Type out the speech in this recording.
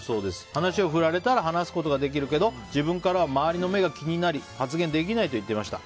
話を振られたら話すことができるけど自分からは周りの目が気になり発言できないと言っていました。